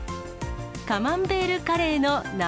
カマンベールカレーの生